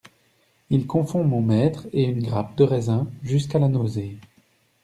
Il confond mon maître et une grappe de raisin jusqu'à la nausée.